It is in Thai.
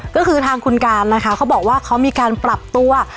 ก็คือทางคุณการนะคะเขาบอกว่าเขามีการปรับตัว